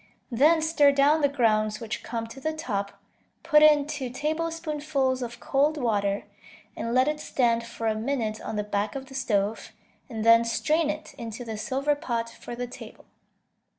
Then stir down the grounds which come to the top, put in two tablespoonfuls of cold water, and let it stand for a minute on the back of the stove, and then strain it into the silver pot for the table.